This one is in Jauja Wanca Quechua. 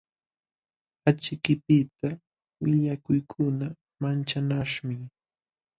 Achikaypiqta willakuykuna manchanaśhmi.